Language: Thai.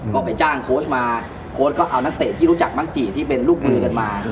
ก็ไปจ้างโค้ชมาโค้ดก็เอานักเตะที่รู้จักมักจิที่เป็นลูกมือกันมา